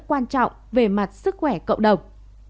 quan trọng về mặt sức khỏe cộng đồng